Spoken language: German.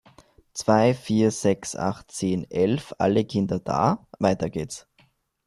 Zwei, vier, sechs, acht, zehn, elf, alle Kinder da! Weiter geht's.